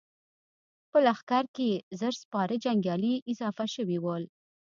په لښکر کې يې زر سپاره جنګيالي اضافه شوي ول.